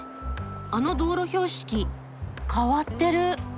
あの道路標識。変わってる。